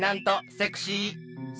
セクシー？